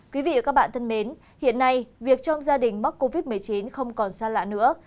quý vị và các bạn thân mến hiện nay việc trong gia đình mắc covid một mươi chín không còn xa lạ nữa